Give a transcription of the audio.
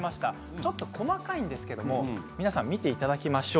ちょっと細かいんですけれども皆さんに見ていただきましょう。